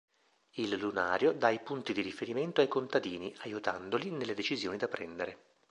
Il lunario dà i punti di riferimento ai contadini, aiutandoli nelle decisioni da prendere.